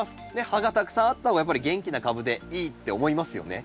葉がたくさんあった方がやっぱり元気な株でいいって思いますよね。